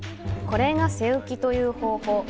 これが「背浮き」という方法。